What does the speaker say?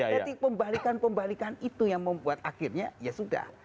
jadi pembalikan pembalikan itu yang membuat akhirnya ya sudah